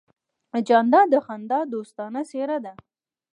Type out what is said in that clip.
جانداد د خندا دوستانه څېرہ ده.